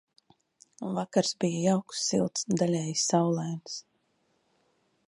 Vakars bija jauks, silts, daļēji saulains.